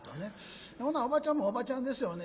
おばちゃんもおばちゃんですよね。